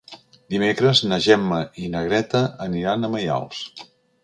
Dimecres na Gemma i na Greta aniran a Maials.